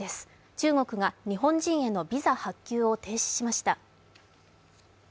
中国が日本人へのビザ発給を停止しました。